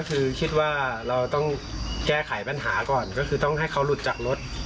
คือคิดว่าเราต้องแก้ไขปัญหาก่อนก็คือต้องให้เขาหลุดจากรถ